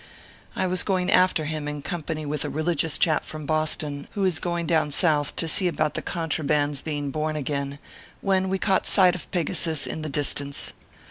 I was going after him in company with a religious chap from Boston, who is going down South to see about the contrabands being born again, when we caught sight of Pegasus, in the distance.